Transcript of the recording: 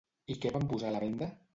I què van posar a la venta?